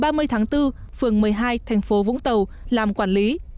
phường một mươi hai thành phố vũng tàu làm quản lý